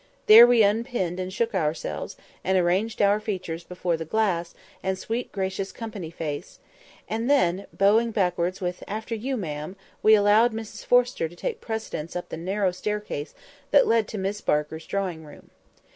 There we unpinned and shook ourselves, and arranged our features before the glass into a sweet and gracious company face; and then, bowing backwards with "After you, ma'am," we allowed Mrs Forrester to take precedence up the narrow staircase that led to Miss Barker's drawing room.